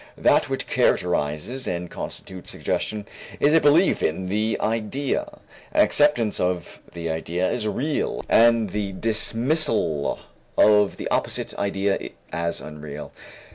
That which characterizes and constitutes suggestion is a belief in the idea, an acceptance of the idea as real and the dismissal of the opposite idea as unreal.